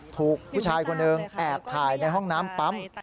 ถูกผู้ชายคนหนึ่งแอบถ่ายในห้องน้ำปั๊ม